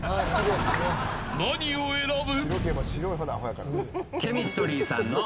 何を選ぶ。